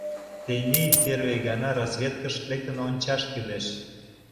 — Тений первый гана разведкыш лектын ончаш кӱлеш.